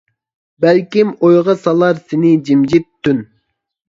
بەلكىم ئويغا سالار سېنى جىمجىت تۈن.